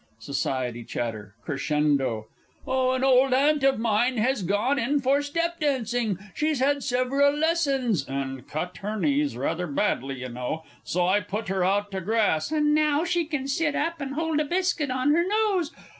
SOC. CHAT. (crescendo). Oh, an old aunt of mine has gone in for step dancing she's had several lessons ... and cut her knees rather badly, y'know, so I put her out to grass ... and now she can sit up and hold a biscuit on her nose